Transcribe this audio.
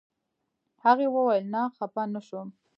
هغې ویل نه خپه نه شوم.